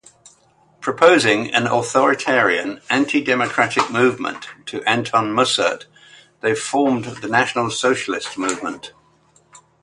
Proposing an authoritarian, anti-democratic movement to Anton Mussert they formed the National Socialist Movement.